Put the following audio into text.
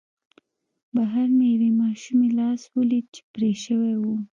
بهر مې د یوې ماشومې لاس ولید چې پرې شوی و